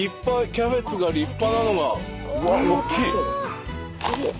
キャベツが立派なのが。